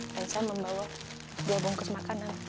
dan saya membawa dua bungkus makanan